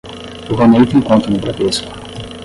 O Ronei tem conta no Bradesco.